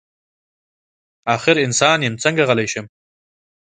اخر انسان یم څنګه غلی شمه.